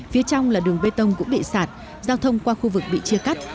phía trong là đường bê tông cũng bị sạt giao thông qua khu vực bị chia cắt